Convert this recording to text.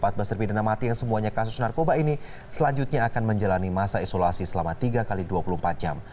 empat belas terpidana mati yang semuanya kasus narkoba ini selanjutnya akan menjalani masa isolasi selama tiga x dua puluh empat jam